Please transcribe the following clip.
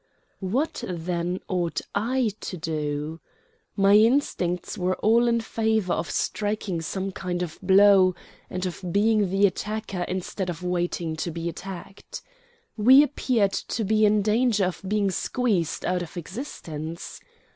What, then, ought I to do? My instincts were all in favor of striking some kind of blow, and of being the attacker instead of waiting to be attacked. We appeared to be in danger of being squeezed out of existence.